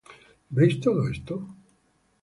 ¿Veis todo esto?